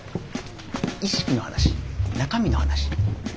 意識の話中身の話。